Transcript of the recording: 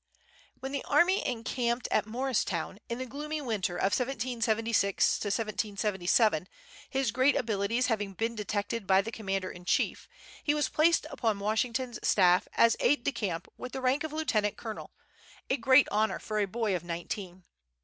When the army encamped at Morristown, in the gloomy winter of 1776 1777, his great abilities having been detected by the commander in chief, he was placed upon Washington's staff, as aide de camp with the rank of lieutenant colonel, a great honor for a boy of nineteen.